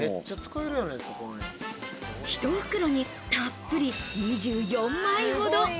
一袋にたっぷり２４枚ほど。